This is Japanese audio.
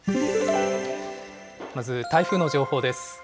まず台風の情報です。